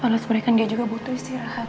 alas mereka dia juga butuh istirahat